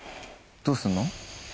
どうするの？